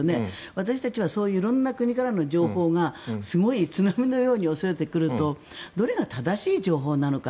私たちは色んな国からの情報がすごく津波のように押し寄せてくるとどれが正しい情報なのか。